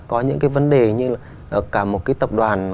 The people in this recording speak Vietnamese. có những cái vấn đề như là cả một cái tập đoàn